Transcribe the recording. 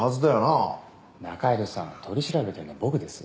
仲井戸さん取り調べてるのは僕です。